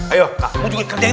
ayo kak kamu juga kerjain